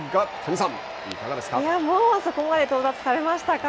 もうそこまで到達されましたか。